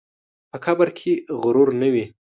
په قبر کې غرور نه وي.